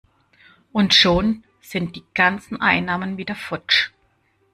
Und schon sind die ganzen Einnahmen wieder futsch!